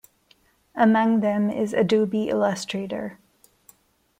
Among them is Adobe Illustrator.